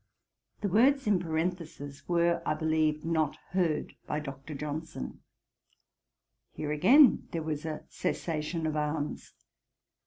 The words in parenthesis were, I believe, not heard by Dr. Johnson. Here again there was a cessation of arms.